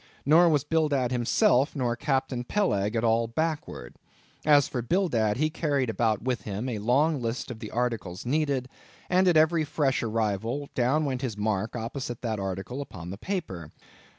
Nor was Bildad himself nor Captain Peleg at all backward. As for Bildad, he carried about with him a long list of the articles needed, and at every fresh arrival, down went his mark opposite that article upon the paper.